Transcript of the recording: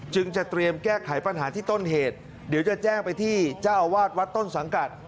จึงจะเตรียมแก้ไขปัญหาที่ต้นเหตุเดี๋ยวจะแจ้งไปที่เจ้าอาวาสวัดต้นสังกัด